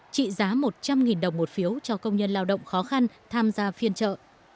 trị giá một trăm linh đồng một phiếu cho công nhân lao động khó khăn tham gia phiên trợ